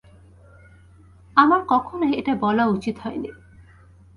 আমার কখনোই এটা বলা উচিত হয়নি।